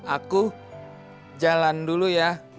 aku jalan dulu ya